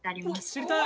知りたい！